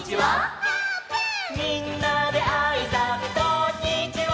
「みんなであいさつこんにちは」